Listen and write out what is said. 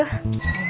udah ambilin dulunya